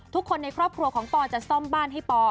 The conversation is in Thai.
ทุกคนในครอบครัวของปอจะซ่อมบ้านให้ปอ